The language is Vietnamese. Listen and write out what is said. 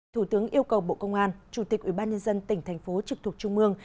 thủ tướng yêu cầu bộ công an chủ tịch ubnd tỉnh thành phố trực thuộc trung mương